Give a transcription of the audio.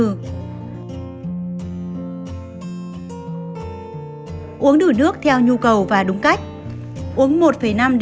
uống đủ nước theo nhu cầu và đúng cách